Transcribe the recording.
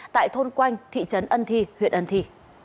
tại thôn quanh thị trấn ân thi huyện ân thi